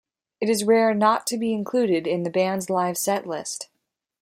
It is rare not to be included in the band's live setlist.